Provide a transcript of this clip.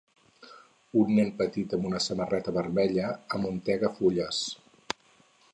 Un nen petit amb una samarreta vermella amuntega fulles.